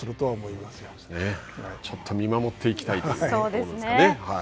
ちょっと見守っていきたいといそうですね。